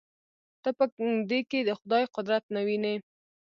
ته په دې کښې د خداى قدرت نه وينې.